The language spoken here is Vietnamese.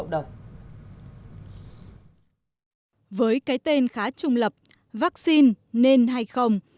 với cái tên khá trung lập vaccine nên hay không